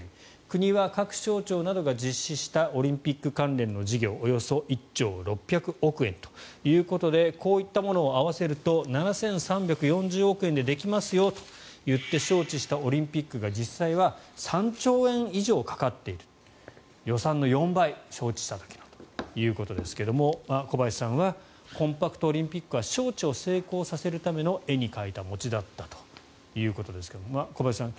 国は各省庁などが実施したオリンピック関連の事業およそ１兆６００億円ということでこういったものを合わせると７３４０億円でできますよと招致したオリンピックが実際は３兆円以上かかっている予算の４倍、招致した時のということですが小林さんはコンパクトオリンピックは招致を成功させるための絵に描いた餅だったということですが小林さん